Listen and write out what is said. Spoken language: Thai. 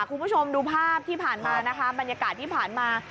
คุณผู้ชมดูภาพที่ผ่านมานะคะบรรยากาศที่ผ่านมา